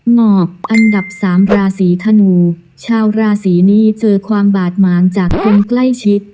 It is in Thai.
งอกอันดับสามราศีธนูชาวราศีนี้เจอความบาดหมางจากคนใกล้ชิด